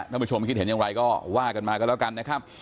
ผู้ชมคิดเห็นอย่างไรก็ว่ากันมาก็แล้วกันนะครับ